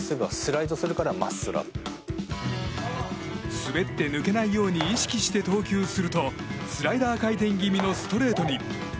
滑って抜けないように意識して投球するとスライダー回転気味のストレートに。